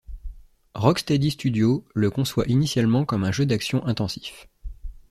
Rocksteady Studios le conçoit initialement comme un jeu d'action intensif.